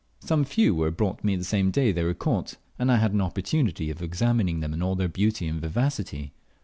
Some few were brought me the same day they were caught, and I had an opportunity of examining them in all their beauty and vivacity.